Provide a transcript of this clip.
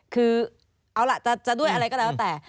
คือเอาล่ะจะด้วยอะไรก็แล้วแต่